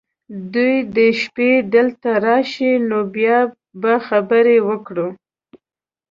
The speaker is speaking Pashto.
دوی دې شپې دلته راشي ، نو بیا به خبرې وکړو .